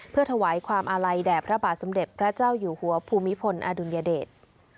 เพื่อถวายความอาลัยแด่พระบาทสมเด็จพระเจ้าอยู่หัวภูมิพลอดุลยเดช